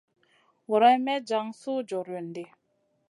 Guroyn may jan suh jorion ɗi.